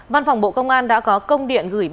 văn phòng bộ công an đã có công điện gửi ban tài liệu